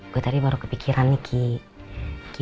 gue tadi baru kepikiran nih ki